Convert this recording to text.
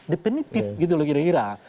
definitif gitu loh kira kira